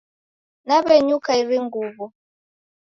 Naw'enyuka iri nguw'o